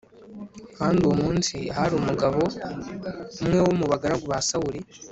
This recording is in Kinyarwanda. Kandi uwo munsi hari umugabo umwe wo mu bagaragu ba Sawuli